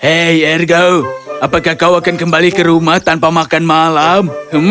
hei ergo apakah kau akan kembali ke rumah tanpa makan malam